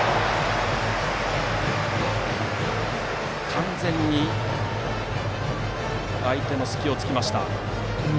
完全に相手の隙を突きました。